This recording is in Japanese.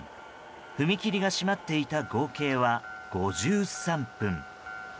踏切が閉まっていた合計は５３分。